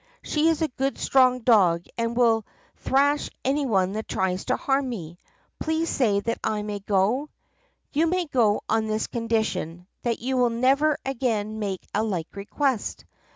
She is a good strong dog and will thrash any one that tries to harm me. Please say that I may go!' " 'You may go on this condition, that you will never again make a like request.